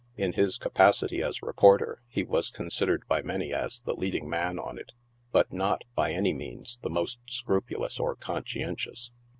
In his capacity as reporter, he was considered by many as the leading man on it, but not, by any means, the most; scrupulous or conscientious.